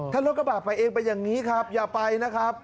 ถ้ารถกระบาดไปเองเป็นอย่างนี้ครับอย่าไปนะครับ